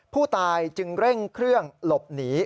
ผู้ตายจึงเร่งเครื่องหลบหนี